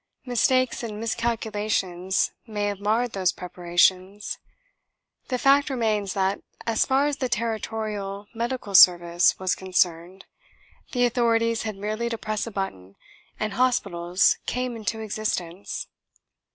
Mistakes and miscalculations may have marred those preparations: the fact remains that, as far as the Territorial Medical Service was concerned, the authorities had merely to press a button and hospitals came into existence.